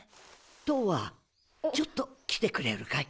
とわちょっと来てくれるかい？